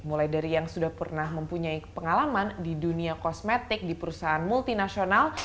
mulai dari yang sudah pernah mempunyai pengalaman di dunia kosmetik di perusahaan multinasional